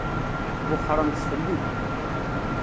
Wexxṛemt fell-i.